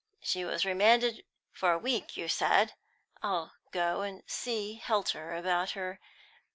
She was remanded for a week, you said? I'll go and see Helter about her.